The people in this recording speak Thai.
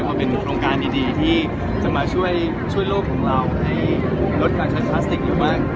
มันเป็นโครงการดีที่จะมาช่วยโลกของเราให้ลดการใช้พลาสติกอยู่บ้าง